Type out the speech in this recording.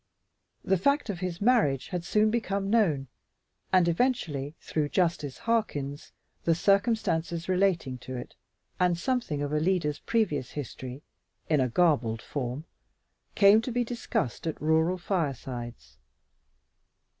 The fact of his marriage had soon become known, and eventually, through Justice Harkins, the circumstances relating to it and something of Alida's previous history, in a garbled form, came to be discussed at rural firesides.